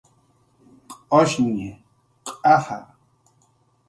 Q'ushñi, q'aja